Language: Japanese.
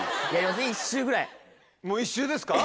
もう一周ですか？